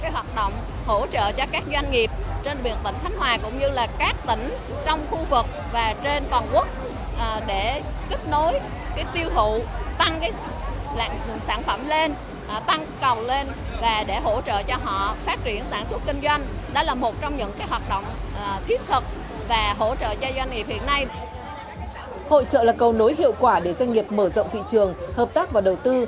hội trợ là cầu nối hiệu quả để doanh nghiệp mở rộng thị trường hợp tác và đầu tư